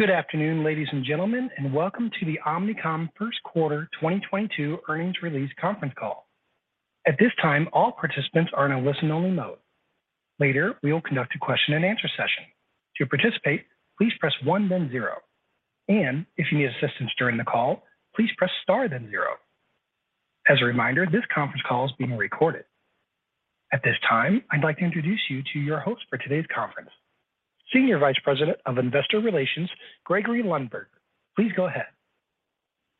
Good afternoon, ladies and gentlemen, and welcome to the Omnicom First Quarter 2022 Earnings Release Conference Call. At this time, all participants are in a listen-only mode. Later, we will conduct a question-and-answer session. To participate, please press one then zero. If you need assistance during the call, please press star then zero. As a reminder, this conference call is being recorded. At this time, I'd like to introduce you to your host for today's conference, Senior Vice President of Investor Relations, Gregory Lundberg. Please go ahead.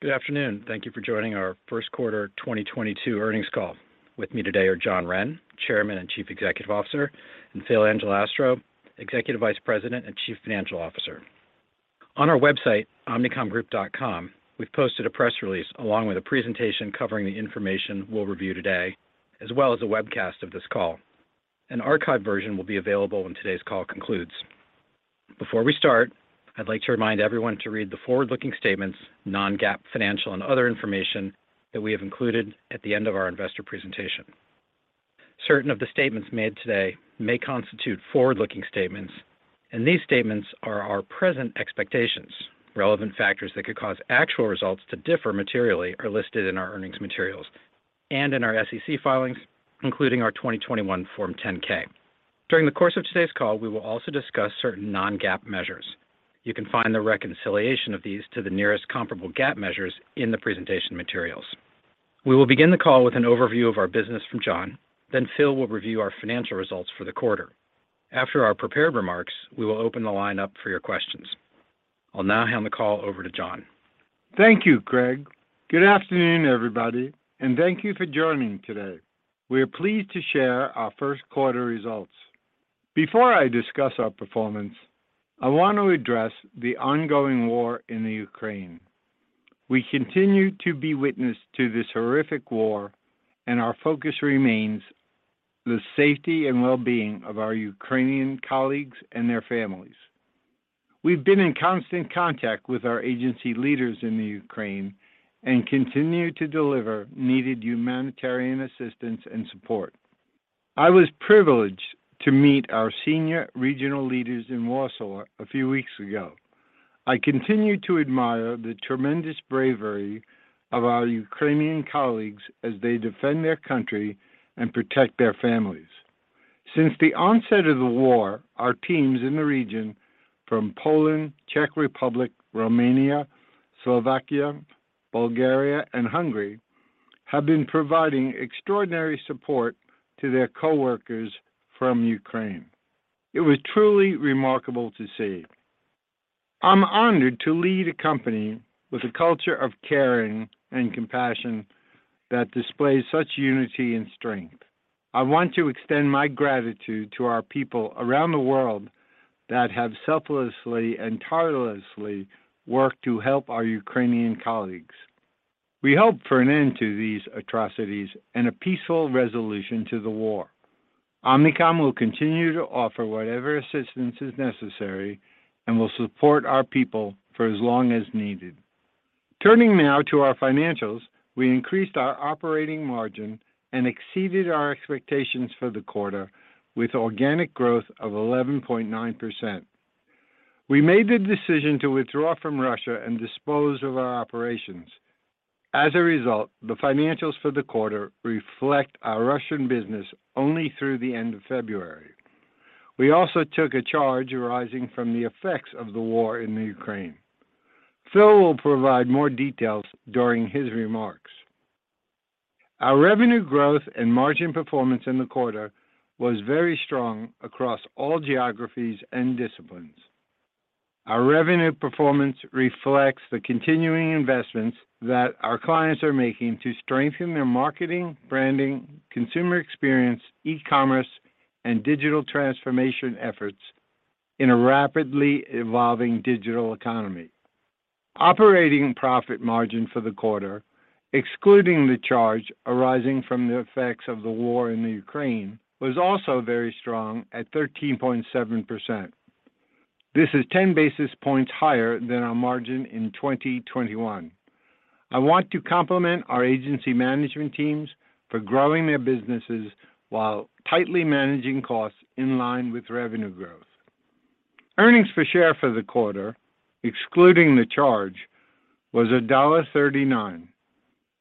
Good afternoon. Thank you for joining our first quarter 2022 earnings call. With me today are John Wren, Chairman and Chief Executive Officer, and Phil Angelastro, Executive Vice President and Chief Financial Officer. On our website, omnicomgroup.com, we've posted a press release along with a presentation covering the information we'll review today, as well as a webcast of this call. An archived version will be available when today's call concludes. Before we start, I'd like to remind everyone to read the forward-looking statements, non-GAAP financial and other information that we have included at the end of our investor presentation. Certain of the statements made today may constitute forward-looking statements, and these statements are our present expectations. Relevant factors that could cause actual results to differ materially are listed in our earnings materials and in our SEC filings, including our 2021 Form 10-K. During the course of today's call, we will also discuss certain non-GAAP measures. You can find the reconciliation of these to the nearest comparable GAAP measures in the presentation materials. We will begin the call with an overview of our business from John, then Phil will review our financial results for the quarter. After our prepared remarks, we will open the line up for your questions. I'll now hand the call over to John. Thank you, Greg. Good afternoon, everybody, and thank you for joining today. We are pleased to share our first quarter results. Before I discuss our performance, I want to address the ongoing war in the Ukraine. We continue to be witness to this horrific war, and our focus remains the safety and well-being of our Ukrainian colleagues and their families. We've been in constant contact with our agency leaders in the Ukraine and continue to deliver needed humanitarian assistance and support. I was privileged to meet our senior regional leaders in Warsaw a few weeks ago. I continue to admire the tremendous bravery of our Ukrainian colleagues as they defend their country and protect their families. Since the onset of the war, our teams in the region from Poland, Czech Republic, Romania, Slovakia, Bulgaria, and Hungary, have been providing extraordinary support to their coworkers from Ukraine. It was truly remarkable to see. I'm honored to lead a company with a culture of caring and compassion that displays such unity and strength. I want to extend my gratitude to our people around the world that have selflessly and tirelessly worked to help our Ukrainian colleagues. We hope for an end to these atrocities and a peaceful resolution to the war. Omnicom will continue to offer whatever assistance is necessary and will support our people for as long as needed. Turning now to our financials, we increased our operating margin and exceeded our expectations for the quarter with organic growth of 11.9%. We made the decision to withdraw from Russia and dispose of our operations. As a result, the financials for the quarter reflect our Russian business only through the end of February. We also took a charge arising from the effects of the war in the Ukraine. Phil will provide more details during his remarks. Our revenue growth and margin performance in the quarter was very strong across all geographies and disciplines. Our revenue performance reflects the continuing investments that our clients are making to strengthen their marketing, branding, consumer experience, e-commerce, and digital transformation efforts in a rapidly evolving digital economy. Operating profit margin for the quarter, excluding the charge arising from the effects of the war in the Ukraine, was also very strong at 13.7%. This is 10 basis points higher than our margin in 2021. I want to compliment our agency management teams for growing their businesses while tightly managing costs in line with revenue growth. Earnings per share for the quarter, excluding the charge, was $1.39,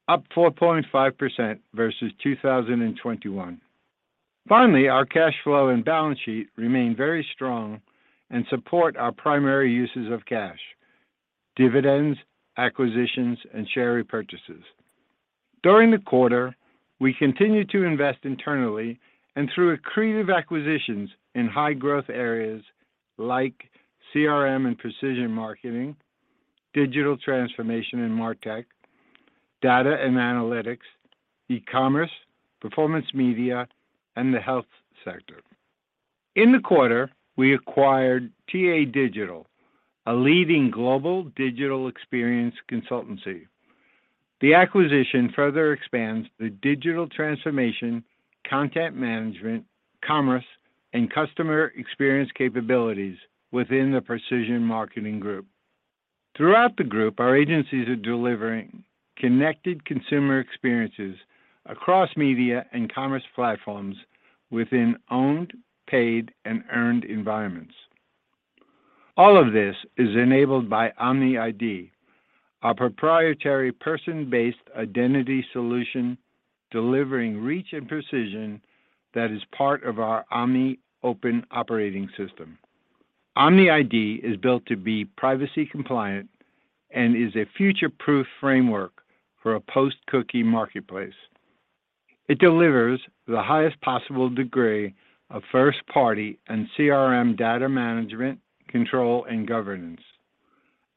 up 4.5% versus 2021. Finally, our cash flow and balance sheet remain very strong and support our primary uses of cash, dividends, acquisitions, and share repurchases. During the quarter, we continued to invest internally and through accretive acquisitions in high-growth areas like CRM and precision marketing, digital transformation and MarTech, data and analytics, e-commerce, performance media, and the health sector. In the quarter, we acquired TA Digital, a leading global digital experience consultancy. The acquisition further expands the digital transformation, content management, commerce, and customer experience capabilities within the Precision Marketing Group. Throughout the group, our agencies are delivering connected consumer experiences across media and commerce platforms within owned, paid, and earned environments. All of this is enabled by Omni ID, our proprietary person-based identity solution delivering reach and precision that is part of our Omni open operating system. Omni ID is built to be privacy compliant and is a future-proof framework for a post-cookie marketplace. It delivers the highest possible degree of first-party and CRM data management, control, and governance.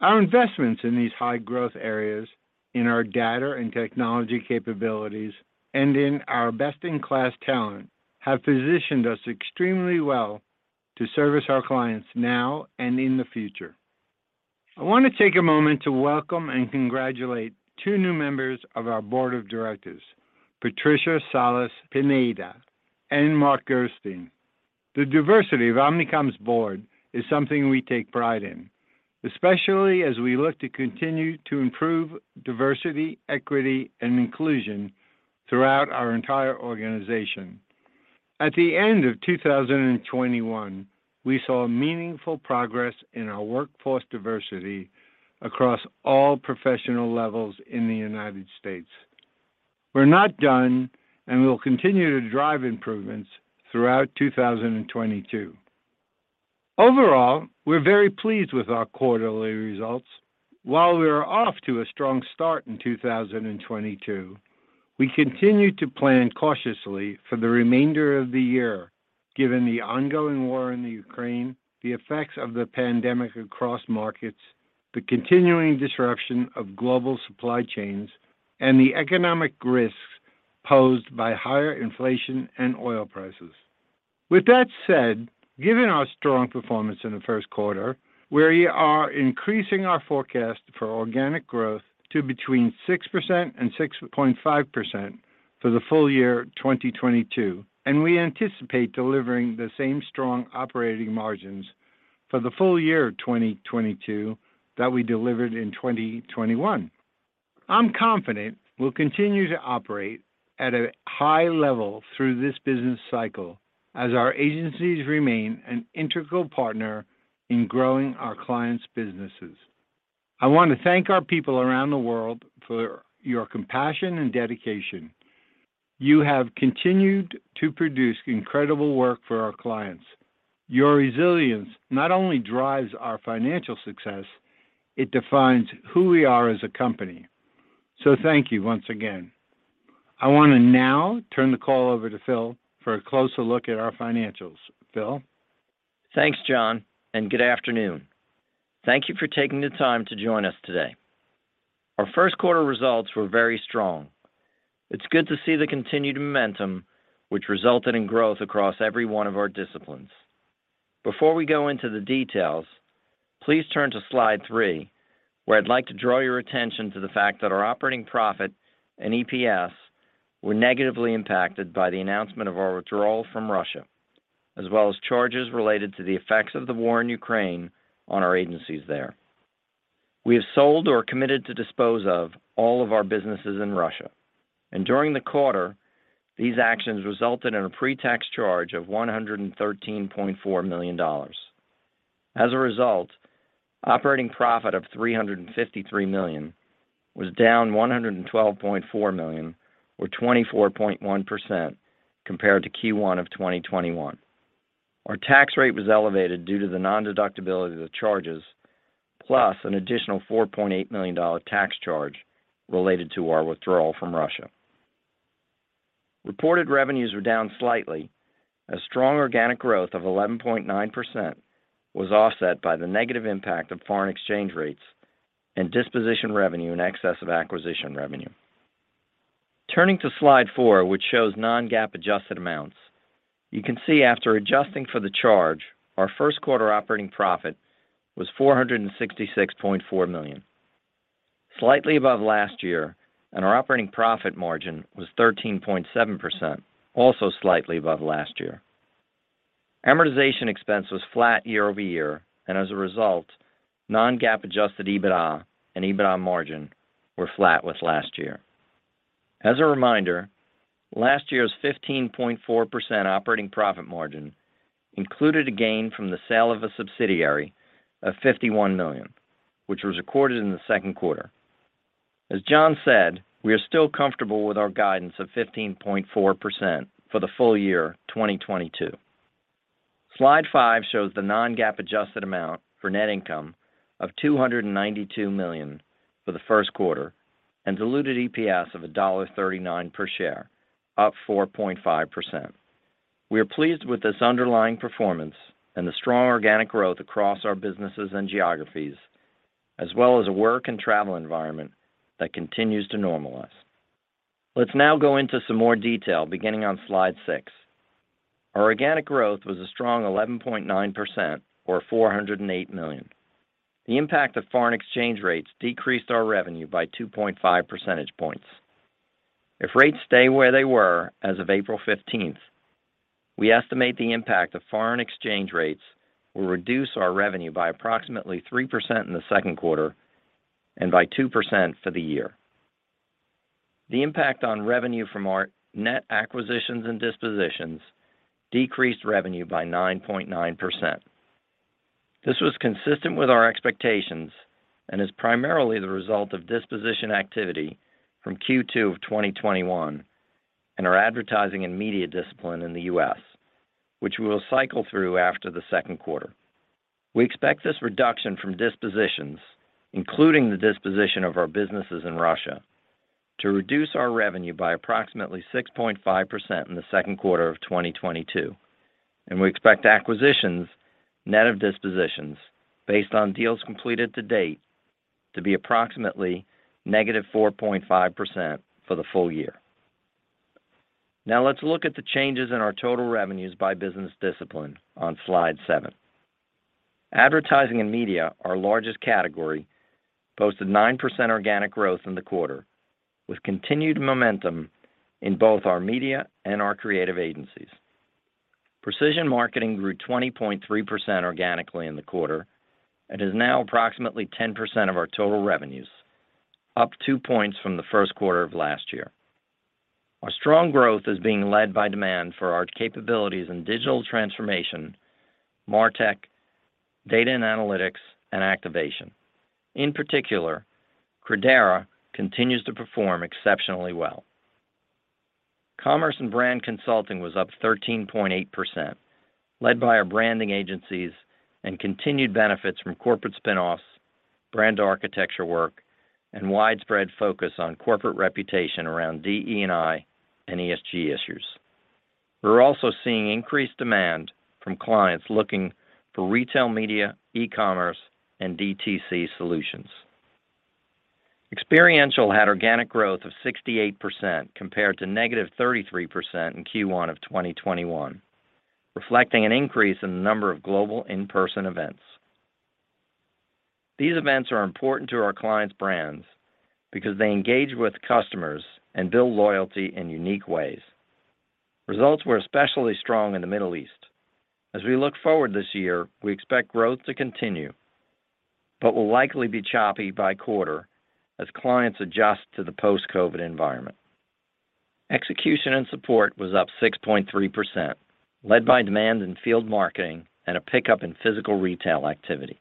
Our investments in these high-growth areas in our data and technology capabilities and in our best-in-class talent have positioned us extremely well to service our clients now and in the future. I want to take a moment to welcome and congratulate two new members of our board of directors, Patricia Salas Pineda and Mark Gerstein. The diversity of Omnicom's board is something we take pride in, especially as we look to continue to improve diversity, equity, and inclusion throughout our entire organization. At the end of 2021, we saw meaningful progress in our workforce diversity across all professional levels in the United States. We're not done and we'll continue to drive improvements throughout 2022. Overall, we're very pleased with our quarterly results. While we are off to a strong start in 2022, we continue to plan cautiously for the remainder of the year, given the ongoing war in Ukraine, the effects of the pandemic across markets, the continuing disruption of global supply chains, and the economic risks posed by higher inflation and oil prices. With that said, given our strong performance in the first quarter, we are increasing our forecast for organic growth to between 6% and 6.5% for the full year 2022, and we anticipate delivering the same strong operating margins for the full year of 2022 that we delivered in 2021. I'm confident we'll continue to operate at a high level through this business cycle as our agencies remain an integral partner in growing our clients' businesses. I want to thank our people around the world for your compassion and dedication. You have continued to produce incredible work for our clients. Your resilience not only drives our financial success, it defines who we are as a company. Thank you once again. I want to now turn the call over to Phil for a closer look at our financials. Phil? Thanks, John, and good afternoon. Thank you for taking the time to join us today. Our first quarter results were very strong. It's good to see the continued momentum which resulted in growth across every one of our disciplines. Before we go into the details, please turn to slide three, where I'd like to draw your attention to the fact that our operating profit and EPS were negatively impacted by the announcement of our withdrawal from Russia, as well as charges related to the effects of the war in Ukraine on our agencies there. We have sold or committed to dispose of all of our businesses in Russia. During the quarter, these actions resulted in a pre-tax charge of $113.4 million. As a result, operating profit of $353 million was down $112.4 million or 24.1% compared to Q1 of 2021. Our tax rate was elevated due to the non-deductibility of the charges, plus an additional $4.8 million tax charge related to our withdrawal from Russia. Reported revenues were down slightly as strong organic growth of 11.9% was offset by the negative impact of foreign exchange rates and disposition revenue in excess of acquisition revenue. Turning to slide four, which shows non-GAAP adjusted amounts, you can see after adjusting for the charge, our first quarter operating profit was $466.4 million, slightly above last year, and our operating profit margin was 13.7%, also slightly above last year. Amortization expense was flat year-over-year, and as a result, non-GAAP adjusted EBITDA and EBITDA margin were flat with last year. As a reminder, last year's 15.4% operating profit margin included a gain from the sale of a subsidiary of $51 million, which was recorded in the second quarter. As John said, we are still comfortable with our guidance of 15.4% for the full year 2022. Slide five shows the non-GAAP adjusted amount for net income of $292 million for the first quarter and diluted EPS of $1.39 per share, up 4.5%. We are pleased with this underlying performance and the strong organic growth across our businesses and geographies, as well as a work and travel environment that continues to normalize. Let's now go into some more detail beginning on Slide six. Our organic growth was a strong 11.9% or $408 million. The impact of foreign exchange rates decreased our revenue by 2.5 percentage points. If rates stay where they were as of April 15, we estimate the impact of foreign exchange rates will reduce our revenue by approximately 3% in the second quarter and by 2% for the year. The impact on revenue from our net acquisitions and dispositions decreased revenue by 9.9%. This was consistent with our expectations and is primarily the result of disposition activity from Q2 of 2021 and our advertising and media discipline in the U.S., which we will cycle through after the second quarter. We expect this reduction from dispositions, including the disposition of our businesses in Russia, to reduce our revenue by approximately 6.5% in the second quarter of 2022, and we expect acquisitions net of dispositions based on deals completed to date to be approximately -4.5% for the full year. Now let's look at the changes in our total revenues by business discipline on slide seven. Advertising and media, our largest category, posted 9% organic growth in the quarter, with continued momentum in both our media and our creative agencies. Precision marketing grew 20.3% organically in the quarter and is now approximately 10% of our total revenues, up two points from the first quarter of last year. Our strong growth is being led by demand for our capabilities in digital transformation, MarTech, data and analytics, and activation. In particular, Credera continues to perform exceptionally well. Commerce and brand consulting was up 13.8%, led by our branding agencies and continued benefits from corporate spin-offs, brand architecture work, and widespread focus on corporate reputation around DE&I and ESG issues. We are also seeing increased demand from clients looking for retail media, e-commerce, and DTC solutions. Experiential had organic growth of 68% compared to -33% in Q1 of 2021, reflecting an increase in the number of global in-person events. These events are important to our clients' brands because they engage with customers and build loyalty in unique ways. Results were especially strong in the Middle East. As we look forward this year, we expect growth to continue, but will likely be choppy by quarter as clients adjust to the post-COVID environment. Execution and support was up 6.3%, led by demand in field marketing and a pickup in physical retail activity.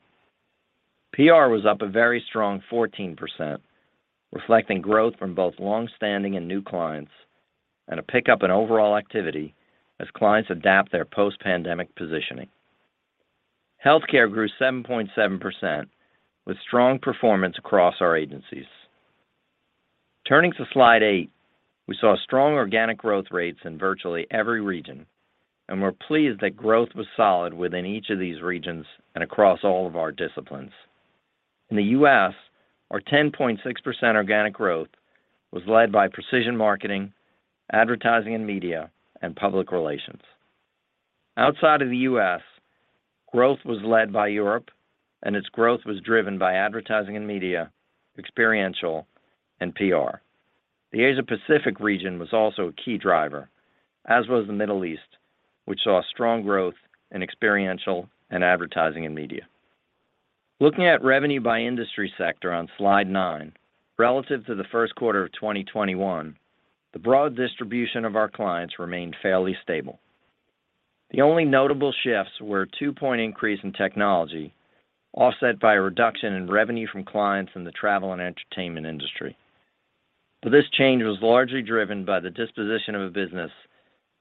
PR was up a very strong 14%, reflecting growth from both long-standing and new clients and a pickup in overall activity as clients adapt their post-pandemic positioning. Healthcare grew 7.7% with strong performance across our agencies. Turning to Slide 8, we saw strong organic growth rates in virtually every region and we are pleased that growth was solid within each of these regions and across all of our disciplines. In the U.S., our 10.6% organic growth was led by precision marketing, advertising and media, and public relations. Outside of the U.S., growth was led by Europe, and its growth was driven by advertising and media, experiential, and PR. The Asia-Pacific region was also a key driver, as was the Middle East, which saw strong growth in experiential and advertising and media. Looking at revenue by industry sector on slide nine, relative to the first quarter of 2021, the broad distribution of our clients remained fairly stable. The only notable shifts were a two-point increase in technology, offset by a reduction in revenue from clients in the travel and entertainment industry. This change was largely driven by the disposition of a business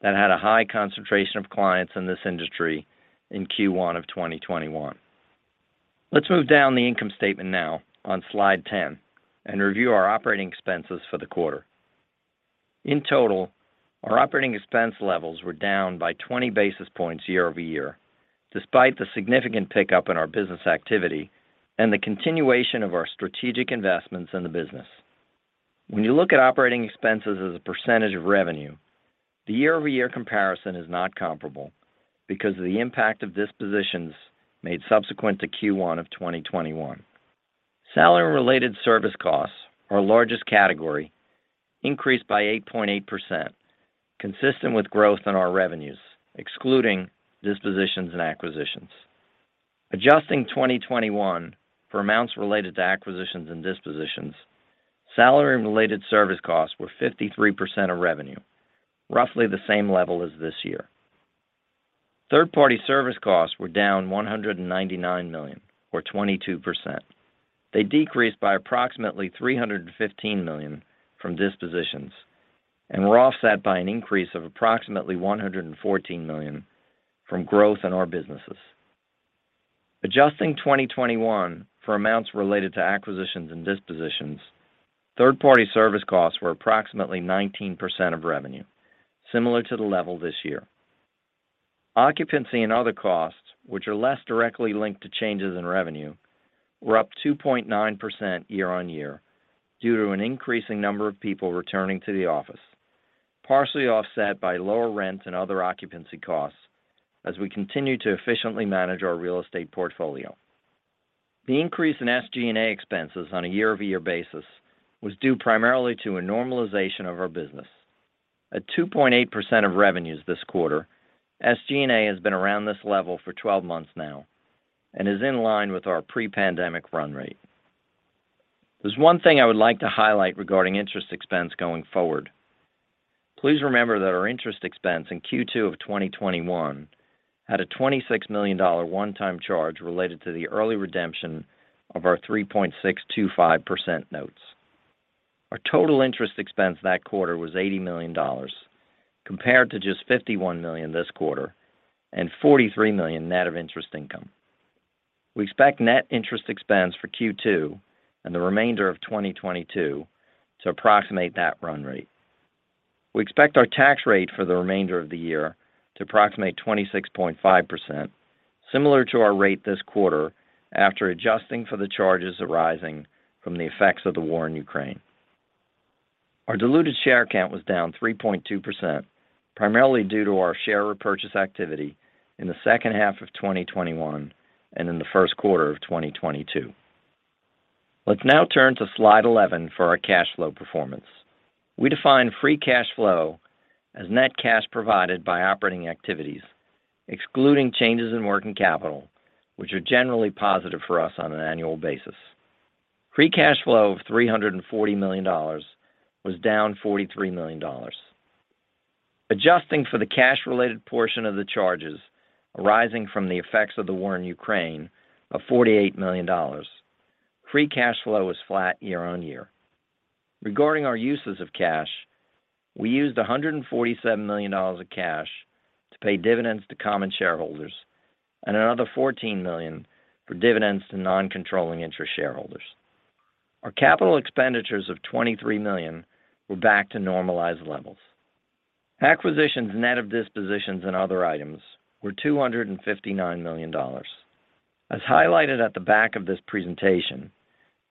that had a high concentration of clients in this industry in Q1 of 2021. Let's move down the income statement now on slide 10 and review our operating expenses for the quarter. In total, our operating expense levels were down by 20 basis points year-over-year, despite the significant pickup in our business activity and the continuation of our strategic investments in the business. When you look at operating expenses as a percentage of revenue, the year-over-year comparison is not comparable because of the impact of dispositions made subsequent to Q1 of 2021. Salary-related service costs, our largest category, increased by 8.8%, consistent with growth in our revenues, excluding dispositions and acquisitions. Adjusting 2021 for amounts related to acquisitions and dispositions, salary-related service costs were 53% of revenue, roughly the same level as this year. Third-party service costs were down $199 million or 22%. They decreased by approximately $315 million from dispositions and were offset by an increase of approximately $114 million from growth in our businesses. Adjusting 2021 for amounts related to acquisitions and dispositions, third-party service costs were approximately 19% of revenue, similar to the level this year. Occupancy and other costs, which are less directly linked to changes in revenue, were up 2.9% year-on-year due to an increasing number of people returning to the office, partially offset by lower rent and other occupancy costs as we continue to efficiently manage our real estate portfolio. The increase in SG&A expenses on a year-over-year basis was due primarily to a normalization of our business. At 2.8% of revenues this quarter, SG&A has been around this level for 12 months now and is in line with our pre-pandemic run rate. There's one thing I would like to highlight regarding interest expense going forward. Please remember that our interest expense in Q2 of 2021 had a $26 million one-time charge related to the early redemption of our 3.625% notes. Our total interest expense that quarter was $80 million compared to just $51 million this quarter and $43 million net of interest income. We expect net interest expense for Q2 and the remainder of 2022 to approximate that run rate. We expect our tax rate for the remainder of the year to approximate 26.5%, similar to our rate this quarter after adjusting for the charges arising from the effects of the war in Ukraine. Our diluted share count was down 3.2%, primarily due to our share repurchase activity in the second half of 2021 and in the first quarter of 2022. Let's now turn to slide 11 for our cash flow performance. We define free cash flow as net cash provided by operating activities, excluding changes in working capital, which are generally positive for us on an annual basis. Free cash flow of $340 million was down $43 million. Adjusting for the cash-related portion of the charges arising from the effects of the war in Ukraine of $48 million, free cash flow was flat year-over-year. Regarding our uses of cash, we used $147 million of cash to pay dividends to common shareholders and another $14 million for dividends to non-controlling interest shareholders. Our capital expenditures of $23 million were back to normalized levels. Acquisitions, net of dispositions, and other items were $259 million. As highlighted at the back of this presentation,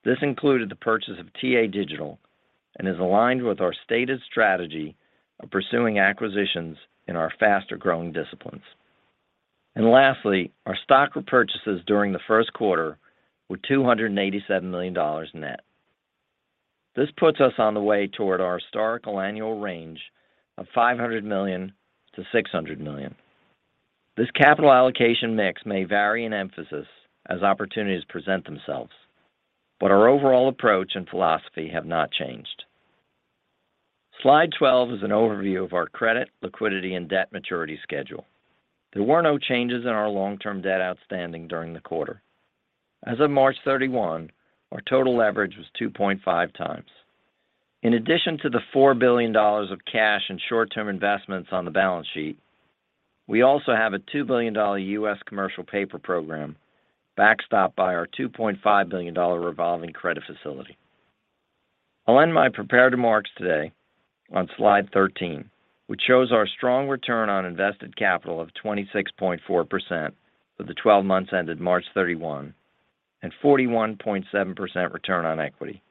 this included the purchase of TA Digital and is aligned with our stated strategy of pursuing acquisitions in our faster-growing disciplines. Lastly, our stock repurchases during the first quarter were $287 million net. This puts us on the way toward our historical annual range of $500 million-$600 million. This capital allocation mix may vary in emphasis as opportunities present themselves, but our overall approach and philosophy have not changed. Slide 12 is an overview of our credit, liquidity, and debt maturity schedule. There were no changes in our long-term debt outstanding during the quarter. As of March 31, our total leverage was 2.5x. In addition to the $4 billion of cash and short-term investments on the balance sheet, we also have a $2 billion U.S. commercial paper program backstopped by our $2.5 billion revolving credit facility. I'll end my prepared remarks today on Slide 13, which shows our strong return on invested capital of 26.4% for the 12 months ended March 31 and 41.7% return on equity.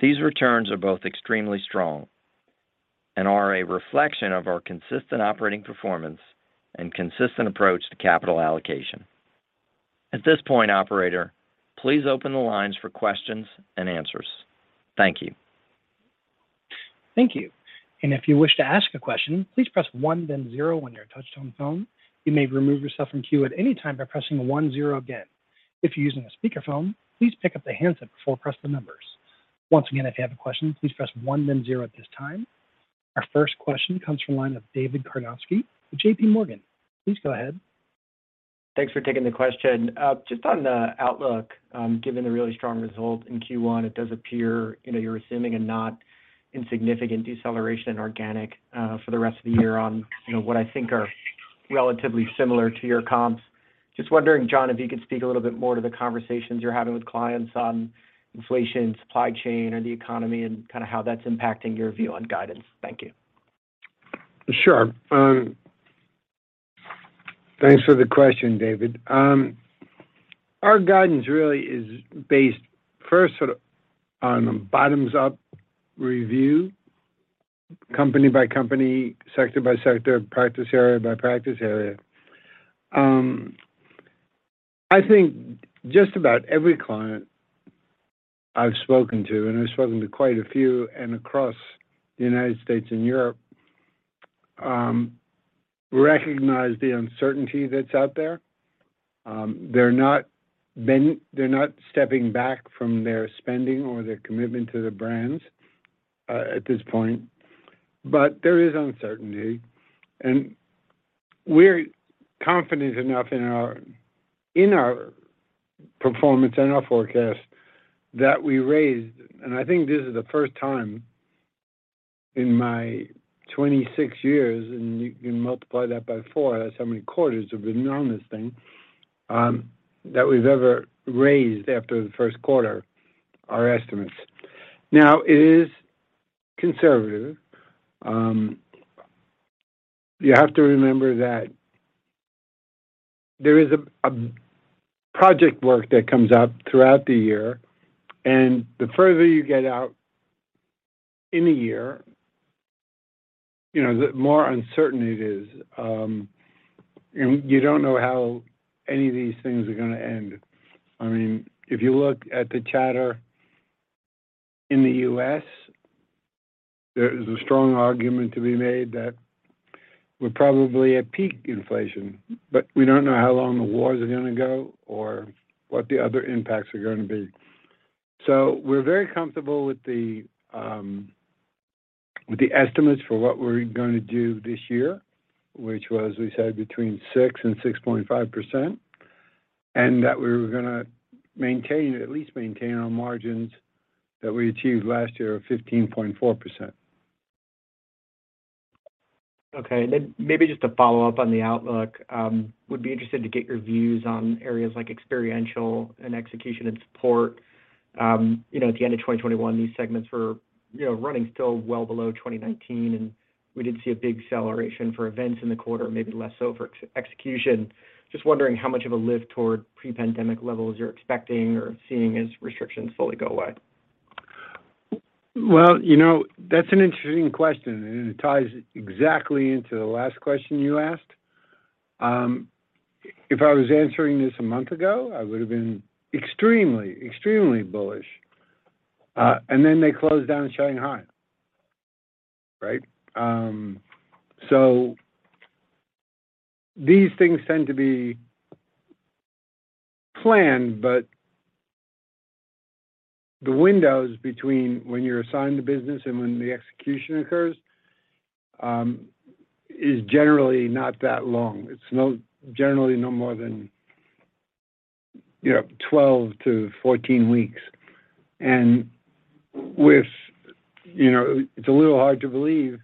These returns are both extremely strong and are a reflection of our consistent operating performance and consistent approach to capital allocation. At this point, operator, please open the lines for questions and answers. Thank you. Our first question comes from the line of David Karnovsky with JPMorgan. Please go ahead. Thanks for taking the question. Just on the outlook, given the really strong result in Q1, it does appear, you know, you're assuming a not insignificant deceleration in organic, for the rest of the year on, you know, what I think are relatively similar to your comps. Just wondering, John, if you could speak a little bit more to the conversations you're having with clients on inflation, supply chain, or the economy, and kinda how that's impacting your view on guidance. Thank you. Sure. Thanks for the question, David. Our guidance really is based first sort of on a bottoms-up review, company by company, sector by sector, practice area by practice area. I think just about every client I've spoken to, and I've spoken to quite a few and across the United States and Europe, recognize the uncertainty that's out there. They're not stepping back from their spending or their commitment to the brands, at this point, but there is uncertainty. We're confident enough in our performance and our forecast that we raised. I think this is the first time in my 26 years, and you can multiply that by four, that's how many quarters we've been on this thing, that we've ever raised after the first quarter, our estimates. Now, it is conservative. You have to remember that there is a project work that comes up throughout the year, and the further you get out in a year. You know, the more uncertain it is, and you don't know how any of these things are gonna end. I mean, if you look at the chatter in the U.S., there is a strong argument to be made that we're probably at peak inflation. We don't know how long the wars are gonna go or what the other impacts are gonna be. We're very comfortable with the estimates for what we're gonna do this year. Which was, we said between 6% and 6.5%, and that we were gonna maintain, at least maintain our margins that we achieved last year of 15.4%. Okay. Maybe just to follow up on the outlook, would be interested to get your views on areas like experiential and execution and support. You know, at the end of 2021, these segments were, you know, running still well below 2019, and we did see a big acceleration for events in the quarter, maybe less so for execution. Just wondering how much of a lift toward pre-pandemic levels you're expecting or seeing as restrictions fully go away? Well, you know, that's an interesting question, and it ties exactly into the last question you asked. If I was answering this a month ago, I would've been extremely bullish. And then they closed down in Shanghai, right? So these things tend to be planned, but the windows between when you're assigned the business and when the execution occurs is generally not that long. It's generally no more than, you know, 12-14 weeks. It's a little hard to believe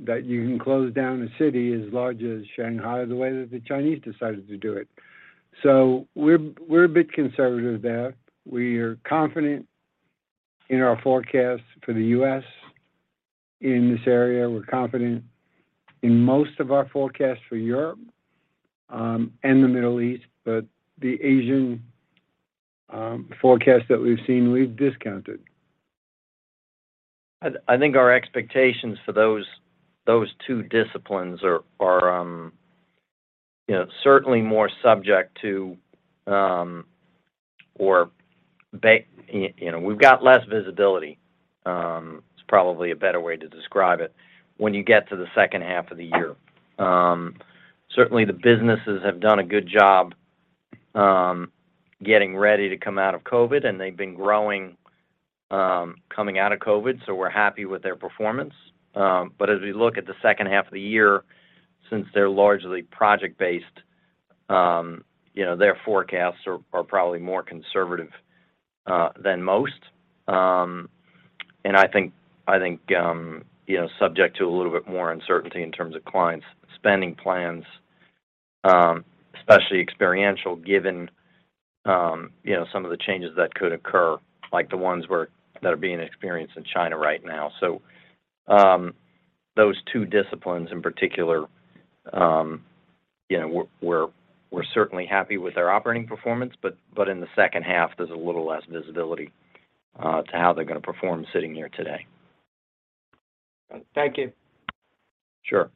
that you can close down a city as large as Shanghai the way that the Chinese decided to do it. So we're a bit conservative there. We're confident in our forecast for the U.S. in this area. We're confident in most of our forecasts for Europe and the Middle East. The Asian forecast that we've seen, we've discounted. I think our expectations for those two disciplines are, you know, certainly more subject to, you know, we've got less visibility, is probably a better way to describe it, when you get to the second half of the year. Certainly the businesses have done a good job, getting ready to come out of COVID, and they've been growing, coming out of COVID, so we're happy with their performance. As we look at the second half of the year, since they're largely project-based, you know, their forecasts are probably more conservative than most. I think you know, subject to a little bit more uncertainty in terms of clients' spending plans, especially experiential given you know, some of the changes that could occur, like the ones that are being experienced in China right now. Those two disciplines in particular, you know, we're certainly happy with their operating performance, but in the second half, there's a little less visibility to how they're gonna perform sitting here today. Thank you. Sure.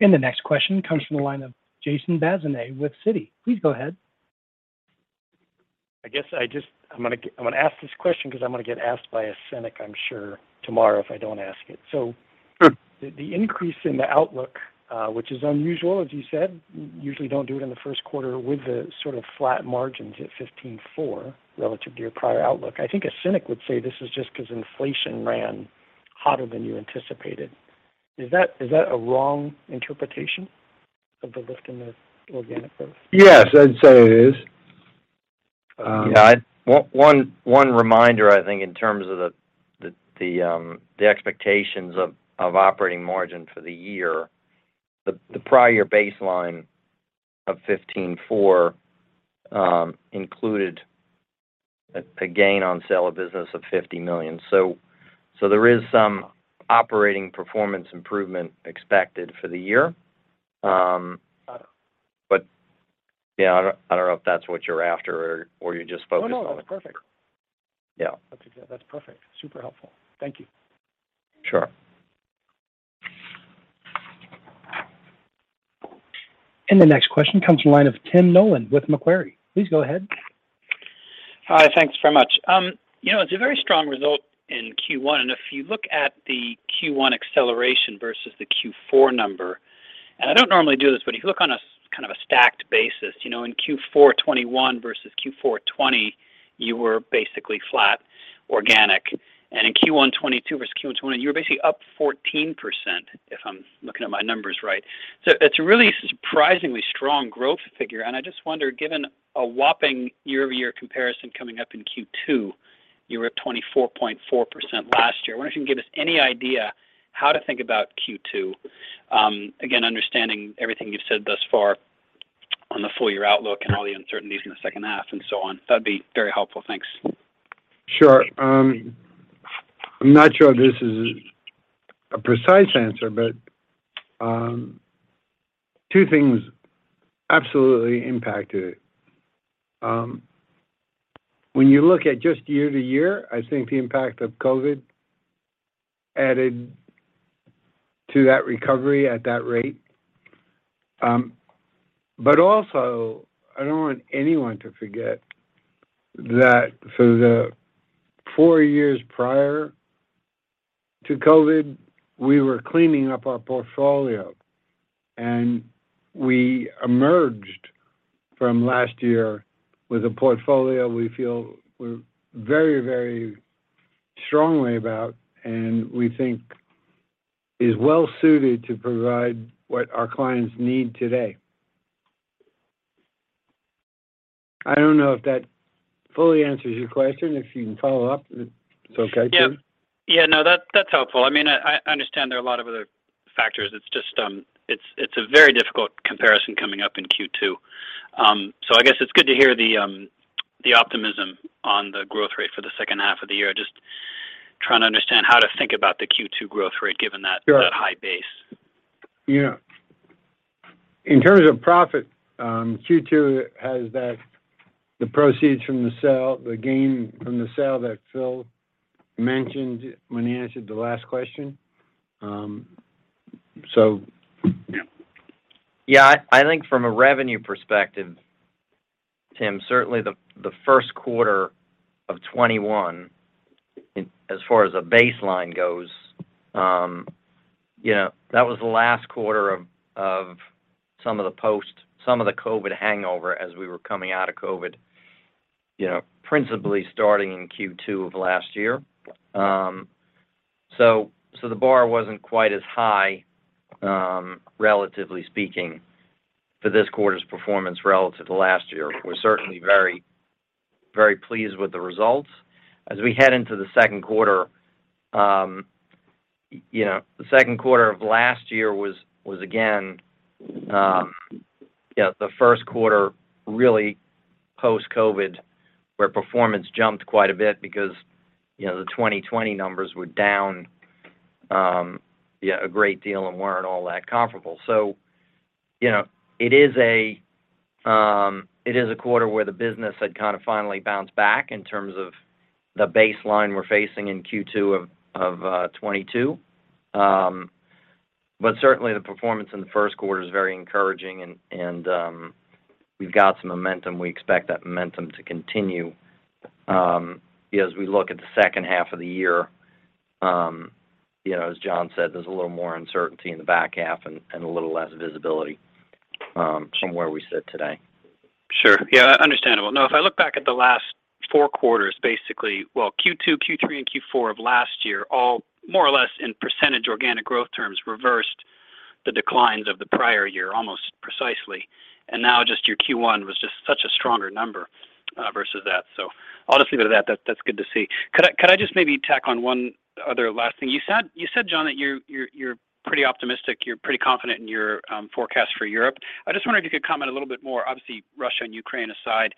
The next question comes from the line of Jason Bazinet with Citi. Please go ahead. I guess I'm gonna ask this question 'cause I'm gonna get asked by a cynic, I'm sure, tomorrow if I don't ask it. Sure. The increase in the outlook, which is unusual, as you said, usually don't do it in the first quarter with the sort of flat margins at 15.4% relative to your prior outlook. I think a cynic would say this is just 'cause inflation ran hotter than you anticipated. Is that a wrong interpretation of the lift in the organic growth? Yes, I'd say it is. Yeah. One reminder, I think, in terms of the expectations of operating margin for the year. The prior baseline of 15.4% included a gain on sale of business of $50 million. There is some operating performance improvement expected for the year. Yeah, I don't know if that's what you're after or you're just focused on- No, no, that's perfect. Yeah. That's perfect. Super helpful. Thank you. Sure. The next question comes from the line of Tim Nollen with Macquarie. Please go ahead. Hi. Thanks very much. You know, it's a very strong result in Q1. If you look at the Q1 acceleration versus the Q4 number, and I don't normally do this, but if you look on a kind of a stacked basis, you know, in Q4 2021 versus Q4 2020, you were basically flat organic. In Q1 2022 versus Q1 2021, you were basically up 14%, if I'm looking at my numbers right. It's a really surprisingly strong growth figure. I just wonder, given a whopping year-over-year comparison coming up in Q2, you were up 24.4% last year. I wonder if you can give us any idea how to think about Q2. Again, understanding everything you've said thus far on the full-year outlook and all the uncertainties in the second half and so on. That'd be very helpful. Thanks. Sure. I'm not sure this is a precise answer, but two things absolutely impacted it. When you look at just year-to-year, I think the impact of COVID added to that recovery at that rate. Also I don't want anyone to forget that for the four years prior to COVID, we were cleaning up our portfolio, and we emerged from last year with a portfolio we feel we're very strongly about, and we think is well suited to provide what our clients need today. I don't know if that fully answers your question. If you can follow up, it's okay, Tim. Yeah. Yeah, no, that's helpful. I mean, I understand there are a lot of other factors. It's just, it's a very difficult comparison coming up in Q2. I guess it's good to hear the optimism on the growth rate for the second half of the year. Just trying to understand how to think about the Q2 growth rate given that. Sure that high base. Yeah. In terms of profit, Q2 has that, the proceeds from the sale, the gain from the sale that Phil mentioned when he answered the last question. Yeah. Yeah. I think from a revenue perspective, Tim, certainly the first quarter of 2021 in as far as a baseline goes, you know, that was the last quarter of some of the post-COVID hangover as we were coming out of COVID, you know, principally starting in Q2 of last year. The bar wasn't quite as high, relatively speaking, for this quarter's performance relative to last year. We're certainly very pleased with the results. As we head into the second quarter, you know, the second quarter of last year was again the first quarter really post-COVID, where performance jumped quite a bit because, you know, the 2020 numbers were down, yeah, a great deal and weren't all that comparable. It is a quarter where the business had kind of finally bounced back in terms of the baseline we're facing in Q2 of 2022. But certainly the performance in the first quarter is very encouraging and we've got some momentum. We expect that momentum to continue, you know, as we look at the second half of the year. You know, as John said, there's a little more uncertainty in the back half and a little less visibility from where we sit today. Sure. Yeah, understandable. Now, if I look back at the last four quarters, basically, Q2, Q3, and Q4 of last year, all more or less in percentage organic growth terms reversed the declines of the prior year, almost precisely. Now just your Q1 was just such a stronger number versus that. I'll just leave it at that. That's good to see. Could I just maybe tack on one other last thing? You said, John, that you're pretty optimistic, you're pretty confident in your forecast for Europe. I just wondered if you could comment a little bit more, obviously, Russia and Ukraine aside,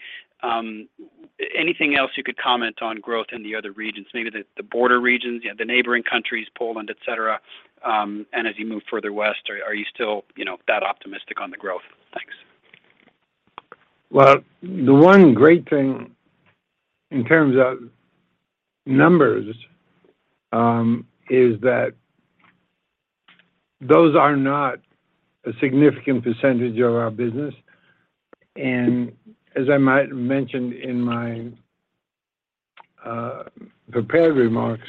anything else you could comment on growth in the other regions, maybe the border regions, you know, the neighboring countries, Poland, et cetera, and as you move further west, are you still, you know, that optimistic on the growth? Thanks. Well, the one great thing in terms of numbers is that those are not a significant percentage of our business. As I might mentioned in my prepared remarks,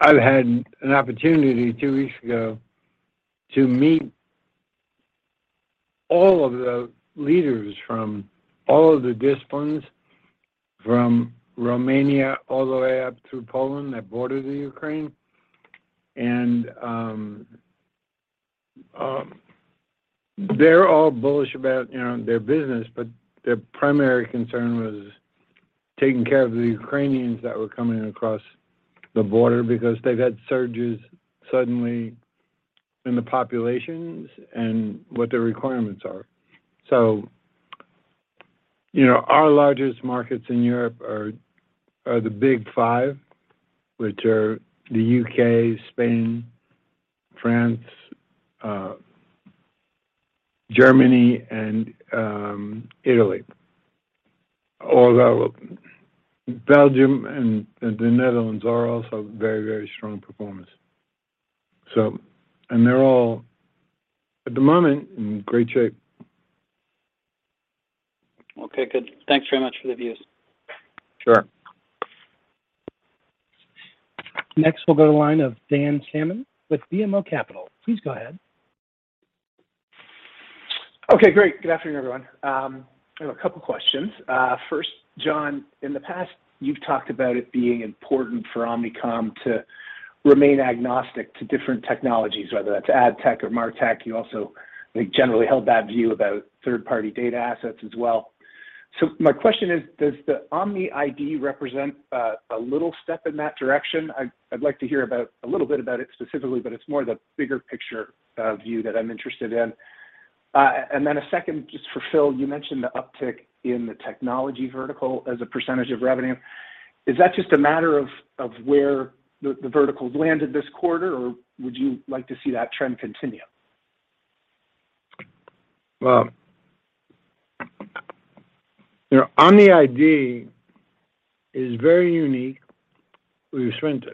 I've had an opportunity two weeks ago to meet all of the leaders from all of the disciplines from Romania all the way up through Poland that border Ukraine. They're all bullish about, you know, their business, but their primary concern was taking care of the Ukrainians that were coming across the border because they've had surges suddenly in the populations and what their requirements are. Our largest markets in Europe are the Big Five, which are the U.K., Spain, France, Germany, and Italy. Although Belgium and the Netherlands are also very strong performers. They're all, at the moment, in great shape. Okay, good. Thanks very much for the views. Sure. Next, we'll go to line of Dan Salmon with BMO Capital. Please go ahead. Okay, great. Good afternoon, everyone. I have a couple questions. First, John, in the past, you've talked about it being important for Omnicom to remain agnostic to different technologies, whether that's ad tech or MarTech. You also, I think, generally held that view about third-party data assets as well. My question is, does the Omni ID represent a little step in that direction? I'd like to hear about a little bit about it specifically, but it's more the bigger picture view that I'm interested in. And then a second just for Phil. You mentioned the uptick in the technology vertical as a percentage of revenue. Is that just a matter of where the verticals landed this quarter, or would you like to see that trend continue? Well, you know, Omni ID is very unique. We've spent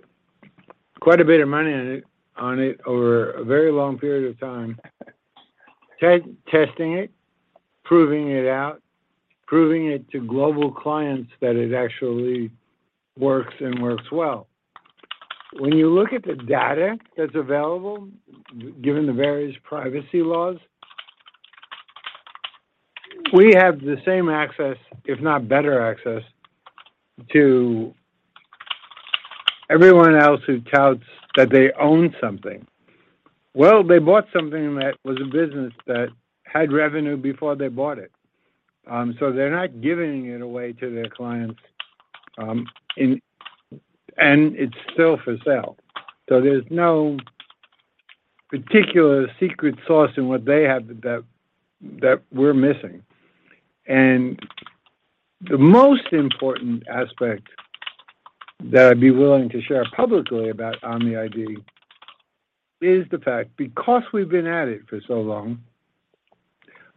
quite a bit of money on it over a very long period of time. Testing it, proving it out, proving it to global clients that it actually works and works well. When you look at the data that's available, given the various privacy laws, we have the same access, if not better access to everyone else who touts that they own something. Well, they bought something that was a business that had revenue before they bought it. So they're not giving it away to their clients in. It's still for sale. So there's no particular secret sauce in what they have that we're missing. The most important aspect that I'd be willing to share publicly about Omni ID is the fact because we've been at it for so long,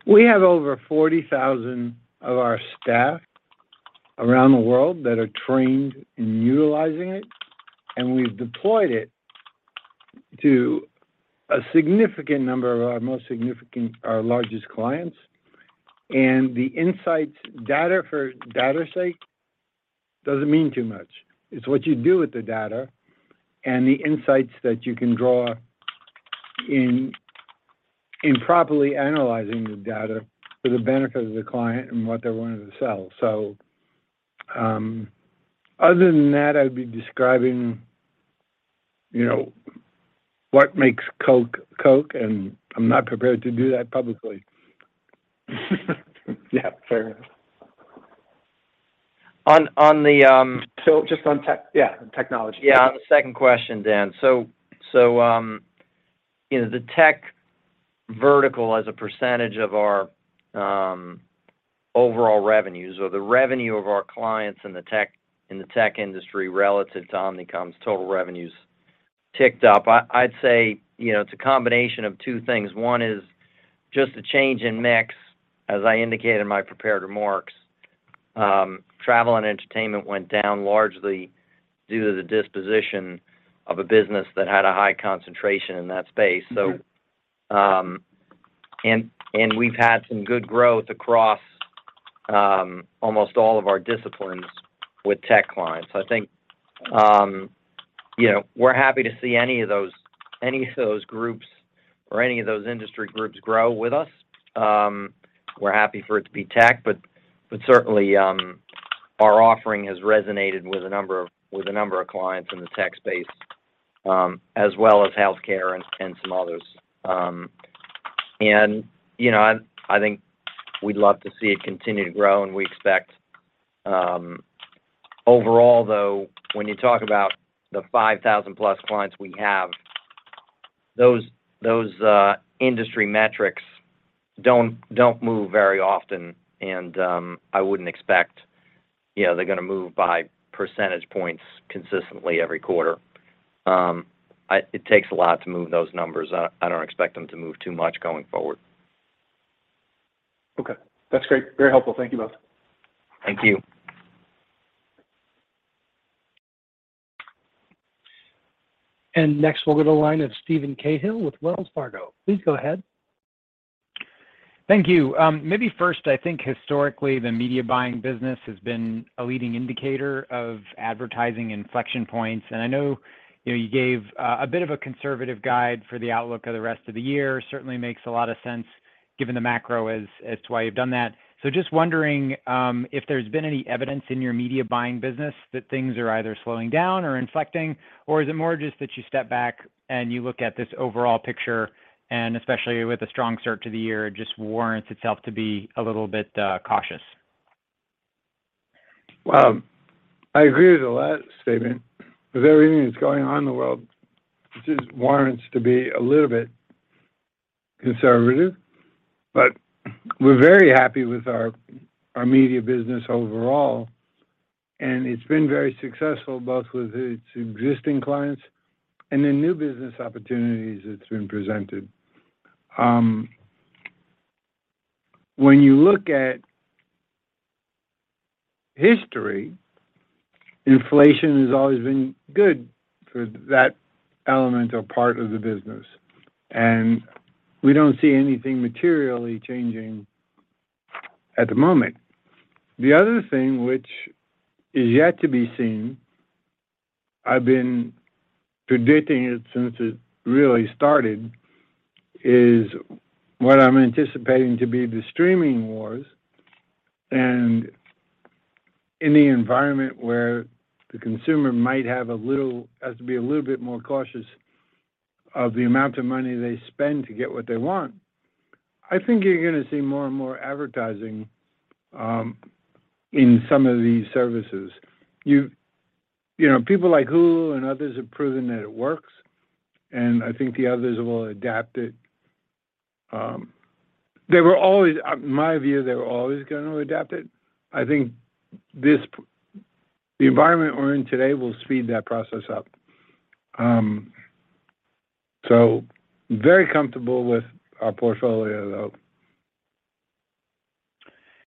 we have over 40,000 of our staff around the world that are trained in utilizing it, and we've deployed it to a significant number of our most significant, our largest clients. The insights, data for data's sake doesn't mean too much. It's what you do with the data and the insights that you can draw in properly analyzing the data for the benefit of the client and what they're wanting to sell. Other than that, I'd be describing, you know, what makes Coke Coke, and I'm not prepared to do that publicly. Yeah, fair enough. On, on the, um- Yeah, technology. Yeah, on the second question, Dan. You know, the tech vertical as a percentage of our overall revenues or the revenue of our clients in the tech industry relative to Omnicom's total revenues ticked up. I'd say, you know, it's a combination of two things. One is just the change in mix, as I indicated in my prepared remarks. Travel and entertainment went down largely due to the disposition of a business that had a high concentration in that space. Mm-hmm. We've had some good growth across almost all of our disciplines with tech clients. I think you know, we're happy to see any of those groups or any of those industry groups grow with us. We're happy for it to be tech, but certainly our offering has resonated with a number of clients in the tech space, as well as healthcare and some others. You know, I think we'd love to see it continue to grow, and we expect. Overall, though, when you talk about the 5,000+ clients we have, those industry metrics don't move very often and I wouldn't expect, you know, they're gonna move by percentage points consistently every quarter. It takes a lot to move those numbers. I don't expect them to move too much going forward. Okay. That's great. Very helpful. Thank you both. Thank you. Next, we'll go to the line of Steven Cahall with Wells Fargo. Please go ahead. Thank you. Maybe first, I think historically the media buying business has been a leading indicator of advertising inflection points. I know, you know, you gave a bit of a conservative guide for the outlook of the rest of the year. Certainly makes a lot of sense given the macro as to why you've done that. Just wondering if there's been any evidence in your media buying business that things are either slowing down or inflecting, or is it more just that you step back and you look at this overall picture and especially with the strong start to the year, it just warrants itself to be a little bit cautious? Well, I agree with the last statement. With everything that's going on in the world, it just warrants to be a little bit conservative. We're very happy with our media business overall, and it's been very successful both with its existing clients and the new business opportunities that's been presented. When you look at history, inflation has always been good for that element or part of the business, and we don't see anything materially changing at the moment. The other thing which is yet to be seen, I've been predicting it since it really started, is what I'm anticipating to be the streaming wars and any environment where the consumer has to be a little bit more cautious of the amount of money they spend to get what they want. I think you're gonna see more and more advertising in some of these services. You know, people like Hulu and others have proven that it works, and I think the others will adapt it. They were always. In my view, they were always gonna adapt it. I think the environment we're in today will speed that process up. Very comfortable with our portfolio, though.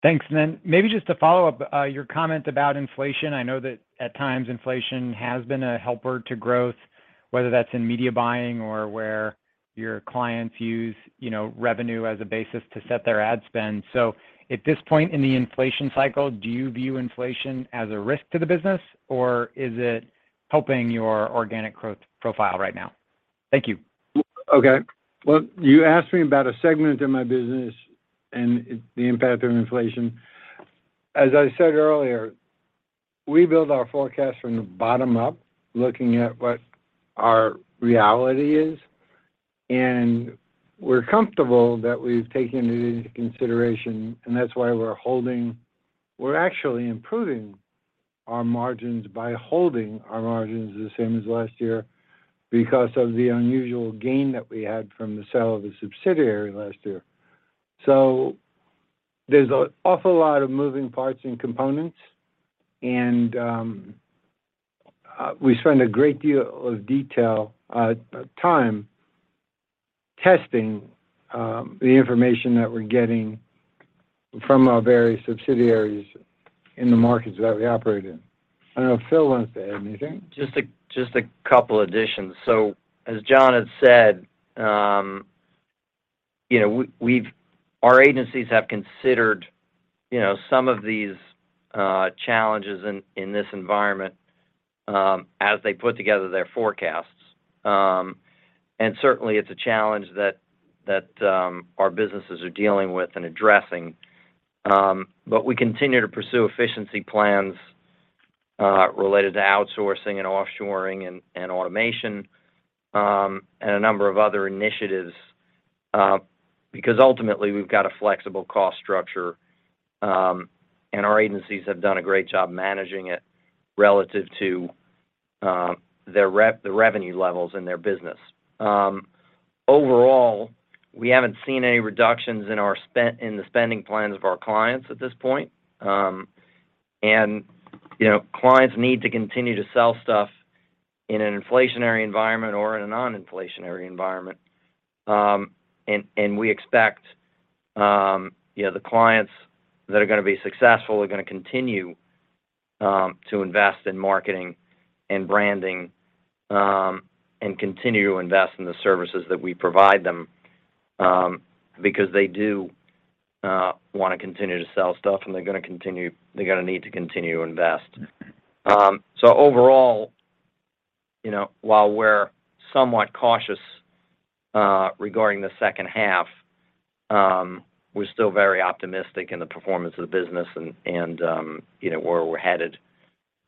Thanks. Maybe just to follow up, your comment about inflation. I know that at times inflation has been a helper to growth, whether that's in media buying or where your clients use, you know, revenue as a basis to set their ad spend. At this point in the inflation cycle, do you view inflation as a risk to the business, or is it helping your organic growth profile right now? Thank you. Okay. Well, you asked me about a segment in my business and the impact of inflation. As I said earlier, we build our forecast from the bottom up, looking at what our reality is, and we're comfortable that we've taken it into consideration, and that's why we're holding. We're actually improving our margins by holding our margins the same as last year because of the unusual gain that we had from the sale of the subsidiary last year. There's an awful lot of moving parts and components and, we spend a great deal of detail, time testing, the information that we're getting from our various subsidiaries in the markets that we operate in. I don't know if Phil wants to add anything. Just a couple additions. As John has said, you know, our agencies have considered, you know, some of these challenges in this environment as they put together their forecasts. Certainly it's a challenge that our businesses are dealing with and addressing. We continue to pursue efficiency plans related to outsourcing and offshoring and automation and a number of other initiatives because ultimately we've got a flexible cost structure and our agencies have done a great job managing it relative to the revenue levels in their business. Overall, we haven't seen any reductions in the spending plans of our clients at this point. You know, clients need to continue to sell stuff in an inflationary environment or in a non-inflationary environment. We expect, you know, the clients that are gonna be successful are gonna continue to invest in marketing and branding and continue to invest in the services that we provide them because they do wanna continue to sell stuff, and they're gonna need to continue to invest. Overall, you know, while we're somewhat cautious regarding the second half, we're still very optimistic in the performance of the business and you know where we're headed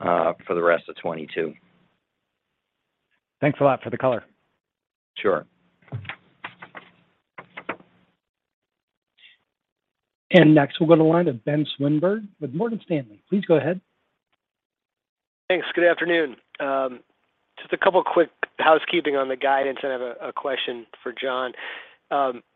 for the rest of 2022. Thanks a lot for the color. Sure. Next, we'll go to the line of Ben Swinburne with Morgan Stanley. Please go ahead. Thanks. Good afternoon. Just a couple quick housekeeping on the guidance, and I have a question for John.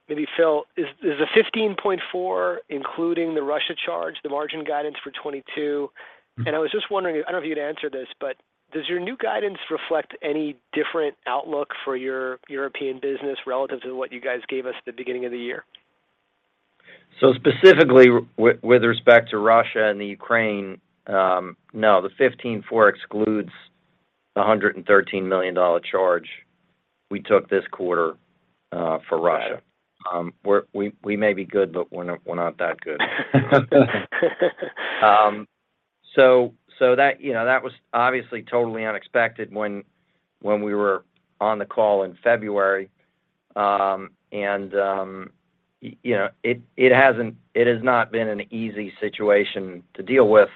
Maybe Phil, is the 15.4% including the Russia charge, the margin guidance for 2022? Mm-hmm. I was just wondering, I don't know if you'd answer this, but does your new guidance reflect any different outlook for your European business relative to what you guys gave us at the beginning of the year? Specifically with respect to Russia and the Ukraine, no, the 15.4 excludes the $113 million charge we took this quarter for Russia. Got it. We may be good, but we're not that good. So that, you know, that was obviously totally unexpected when we were on the call in February. You know, it has not been an easy situation to deal with,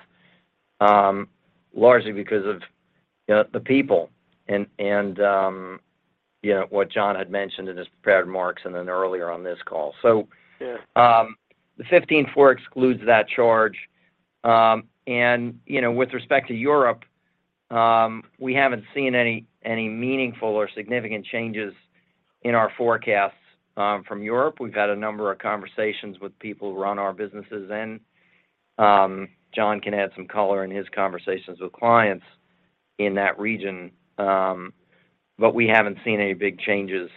largely because of, you know, the people and you know, what John had mentioned in his prepared remarks and then earlier on this call. Yeah The 15.4 excludes that charge. You know, with respect to Europe, we haven't seen any meaningful or significant changes in our forecasts from Europe. We've had a number of conversations with people who run our businesses in Europe. John can add some color in his conversations with clients in that region. We haven't seen any big changes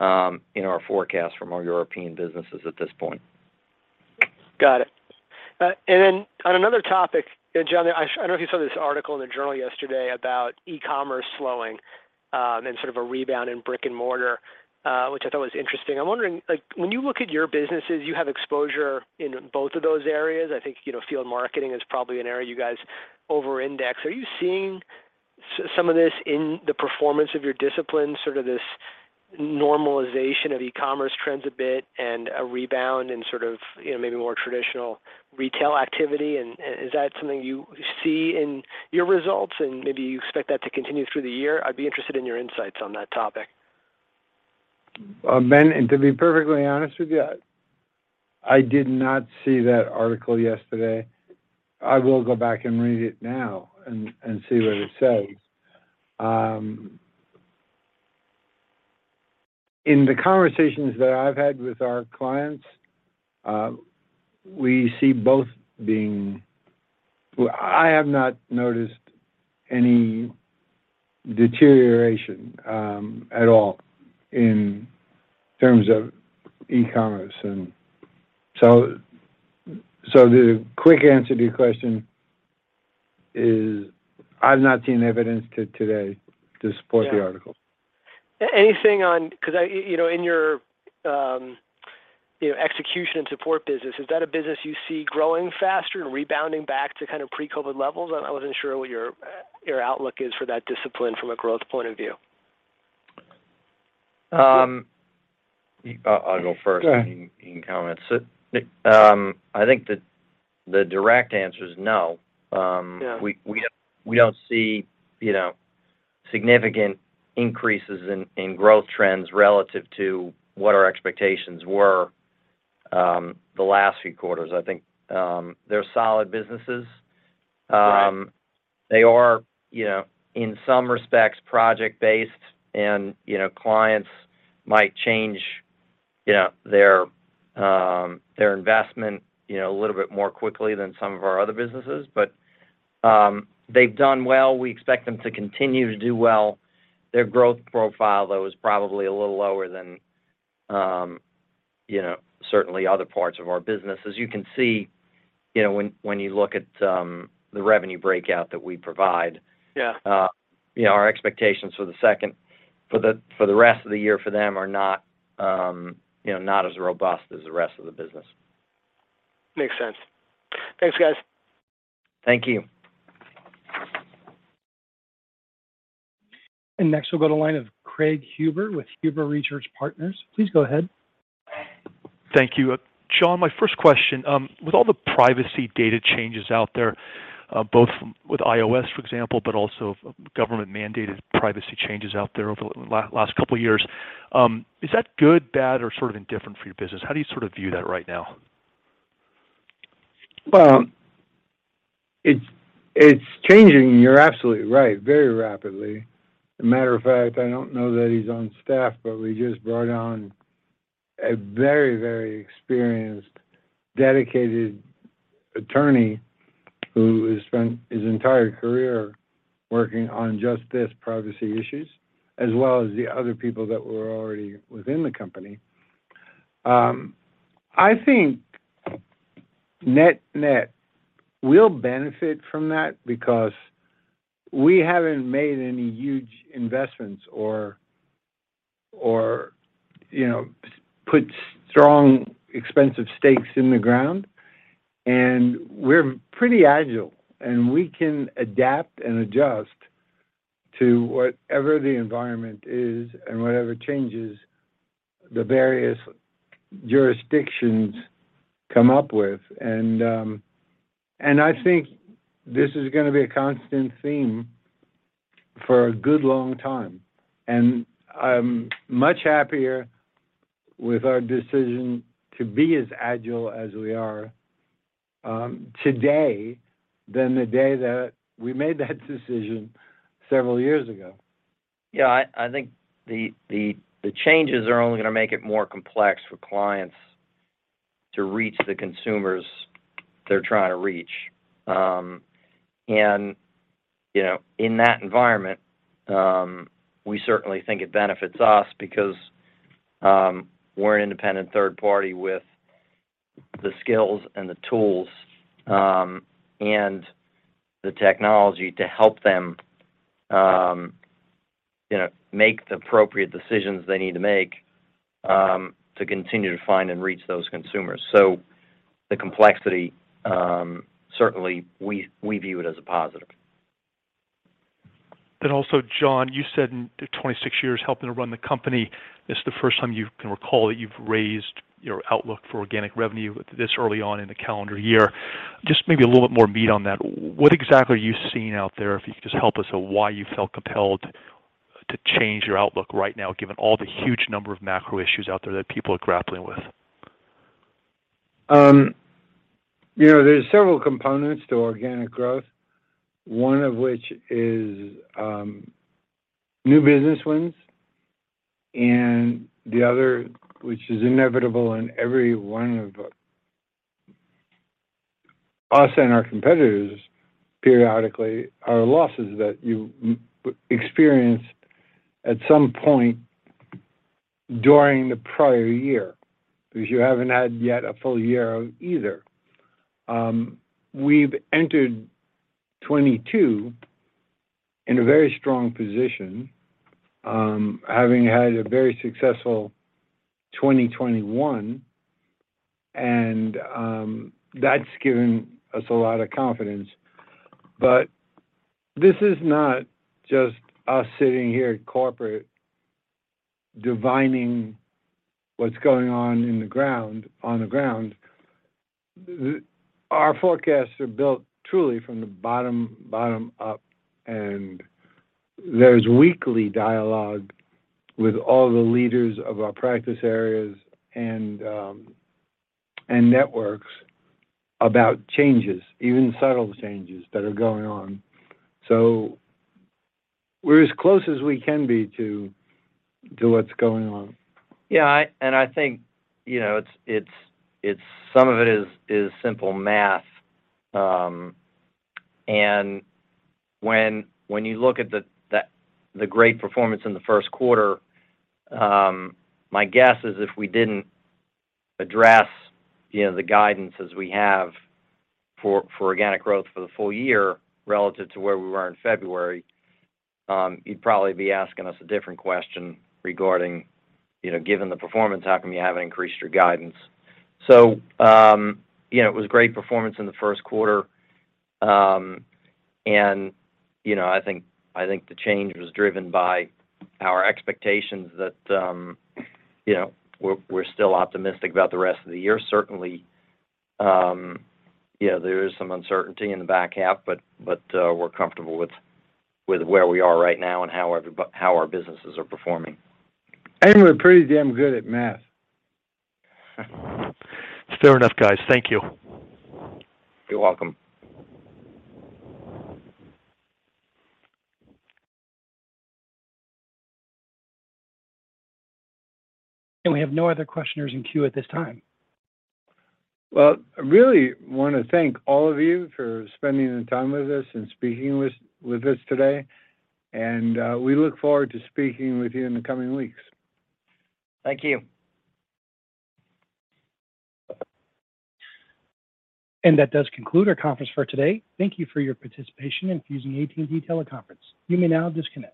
in our forecast from our European businesses at this point. Got it. On another topic, John, I don't know if you saw this article in The Journal yesterday about e-commerce slowing, and sort of a rebound in brick-and-mortar, which I thought was interesting. I'm wondering, like, when you look at your businesses, you have exposure in both of those areas. I think, you know, field marketing is probably an area you guys over-index. Are you seeing some of this in the performance of your discipline, sort of this normalization of e-commerce trends a bit and a rebound in sort of, you know, maybe more traditional retail activity? Is that something you see in your results, and maybe you expect that to continue through the year? I'd be interested in your insights on that topic. Ben, to be perfectly honest with you, I did not see that article yesterday. I will go back and read it now and see what it says. In the conversations that I've had with our clients, well, I have not noticed any deterioration at all in terms of e-commerce. The quick answer to your question is I've not seen evidence today to support the article. Yeah. Anything on? Because I, you know, in your, you know, execution support business, is that a business you see growing faster and rebounding back to kind of pre-COVID levels? I wasn't sure what your outlook is for that discipline from a growth point of view. I'll go first. Go ahead. you can comment. I think the direct answer is no. Yeah We don't see, you know, significant increases in growth trends relative to what our expectations were the last few quarters. I think they're solid businesses. Right They are, you know, in some respects, project-based and, you know, clients might change, you know, their investment, you know, a little bit more quickly than some of our other businesses. They've done well. We expect them to continue to do well. Their growth profile, though, is probably a little lower than, you know, certainly other parts of our business. As you can see, you know, when you look at the revenue breakout that we provide. Yeah You know, our expectations for the rest of the year for them are not as robust as the rest of the business. Makes sense. Thanks, guys. Thank you. Next we'll go to the line of Craig Huber with Huber Research Partners. Please go ahead. Thank you. John, my first question, with all the privacy data changes out there, both with iOS, for example, but also government-mandated privacy changes out there over the last couple years, is that good, bad, or sort of indifferent for your business? How do you sort of view that right now? Well, it's changing, you're absolutely right, very rapidly. As a matter of fact, I don't know that he's on staff, but we just brought on a very, very experienced, dedicated attorney who has spent his entire career working on just this privacy issues, as well as the other people that were already within the company. I think net-net will benefit from that because we haven't made any huge investments or, you know, put strong, expensive stakes in the ground. We're pretty agile, and we can adapt and adjust to whatever the environment is and whatever changes the various jurisdictions come up with. I think this is gonna be a constant theme for a good long time, and I'm much happier with our decision to be as agile as we are, today than the day that we made that decision several years ago. Yeah, I think the changes are only gonna make it more complex for clients to reach the consumers they're trying to reach. You know, in that environment, we certainly think it benefits us because we're an independent third party with the skills and the tools, and the technology to help them, you know, make the appropriate decisions they need to make to continue to find and reach those consumers. The complexity certainly we view it as a positive. Also, John, you said in the 26 years helping to run the company, it's the first time you can recall that you've raised your outlook for organic revenue this early on in the calendar year. Just maybe a little bit more meat on that. What exactly are you seeing out there, if you could just help us on why you felt compelled to change your outlook right now, given all the huge number of macro issues out there that people are grappling with? You know, there's several components to organic growth, one of which is new business wins and the other, which is inevitable in every one of us and our competitors periodically, are losses that you experience at some point during the prior year because you haven't had yet a full year of either. We've entered 2022 in a very strong position, having had a very successful 2021 and that's given us a lot of confidence. This is not just us sitting here at corporate divining what's going on on the ground. Our forecasts are built truly from the bottom up, and there's weekly dialogue with all the leaders of our practice areas and networks about changes, even subtle changes that are going on. We're as close as we can be to what's going on. Yeah, I think, you know, it's some of it is simple math. When you look at the great performance in the first quarter, my guess is if we didn't address, you know, the guidance as we have for organic growth for the full year relative to where we were in February, you'd probably be asking us a different question regarding, you know, given the performance, how come you haven't increased your guidance? You know, it was great performance in the first quarter. You know, I think the change was driven by our expectations that, you know, we're still optimistic about the rest of the year. Certainly, you know, there is some uncertainty in the back half, but we're comfortable with where we are right now and how our businesses are performing. We're pretty damn good at math. Fair enough, guys. Thank you. You're welcome. We have no other questioners in queue at this time. Well, I really wanna thank all of you for spending the time with us and speaking with us today. We look forward to speaking with you in the coming weeks. Thank you. That does conclude our conference for today. Thank you for your participation in AT&T Teleconference. You may now disconnect.